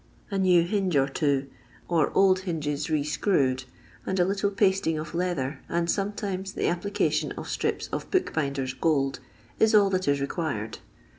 A new hinge or two, or old hinges re screwed, and a little pasting of leather and sometimes the applica tion of strips of bookbinder's gold, is all that is required.